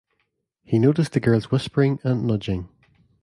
He noticed the girls whispering and nudging.